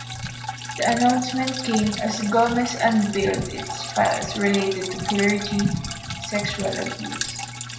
The announcement came as Gomez unveiled its files related to clergy sexual abuse.